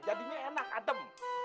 jadinya enak adem